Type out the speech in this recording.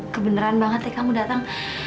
kebenaran banget ya kamu datang